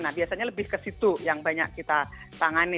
nah biasanya lebih ke situ yang banyak kita tangani